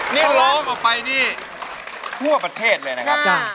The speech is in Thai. นี่ร้องออกไปนี่ทั่วประเทศเลยนะครับ